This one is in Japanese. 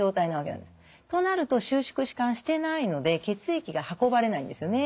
となると収縮弛緩してないので血液が運ばれないんですよね。